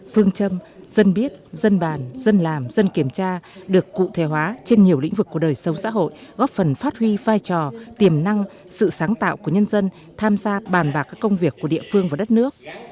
phương châm dân biết dân bàn dân làm dân kiểm tra được cụ thể hóa trên nhiều lĩnh vực của đời sống xã hội góp phần phát huy vai trò tiềm năng sự sáng tạo của nhân dân tham gia bàn bạc các công việc của địa phương và đất nước